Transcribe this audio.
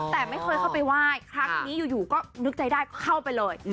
แต่ไม่เคยเข้าไปไหว้ครั้งนี้อยู่ก็นึกใจได้ก็เข้าไปเลย